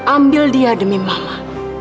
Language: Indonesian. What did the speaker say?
ambil dia demi mama